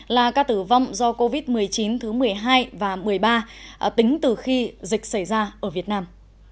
là ca tử vong do covid một mươi chín thứ một mươi hai và một mươi ba tính từ khi dịch xảy ra ở việt nam